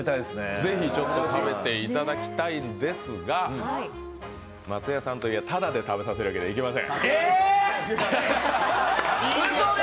ぜひ食べていただきたいんですが、松也さんといえどタダで食べてもらうにはいきません。